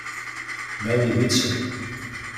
Belje Wytse.